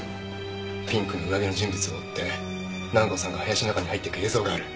ピンクの上着の人物を追って南郷さんが林の中に入っていく映像がある。